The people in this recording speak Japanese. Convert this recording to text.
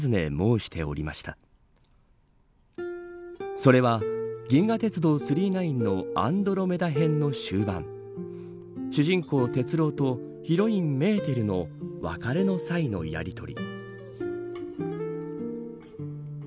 それは銀河鉄道９９９のアンドロメダ編の終盤主人公鉄郎とヒロインメーテルの別れの際のやりとり。